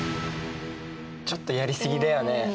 ちょっとやりすぎだよね。